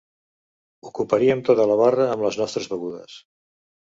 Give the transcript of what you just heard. Ocuparíem tota la barra amb les nostres begudes.